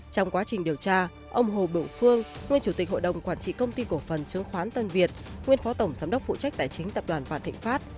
trong quá trình điều tra ông hồ bửu phương nguyên chủ tịch hội đồng quản trị công ty cổ phần chứng khoán tân việt nguyên phó tổng giám đốc phụ trách tài chính tập đoàn vạn thịnh pháp